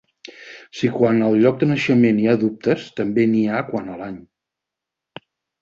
Si quant al lloc de naixement hi ha dubtes, també n'hi ha quant a l'any.